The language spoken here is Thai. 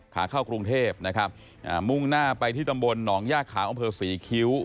ขาเข้ากรุงเทพนะครับมุ่งหน้าไปที่ตำบลหนองย่าขาวอำเภอศรีคิ้ว